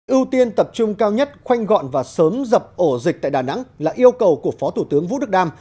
ưu tiên tập trung cao nhất khoanh gọn và sớm dập ổ dịch tại đà nẵng là yêu cầu của phó thủ tướng vũ đức đam